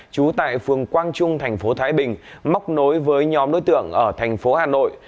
trú tại phường quang trung thành phố thái bình móc nối với nhóm đối tượng ở thành phố hà nội